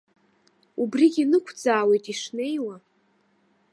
Убригьы нықәӡаауеит ишнеиуа?